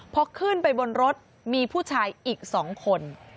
พอขึ้นไปบนรถมีผู้ชายอีก๒คน